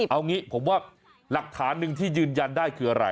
เอางี้ผมว่าหลักฐานหนึ่งที่ยืนยันได้คืออะไร